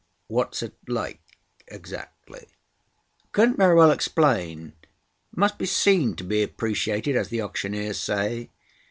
"What's it like exactly?" "I couldn't very well explain. It must be seen to be appreciated, as the auctioneers say.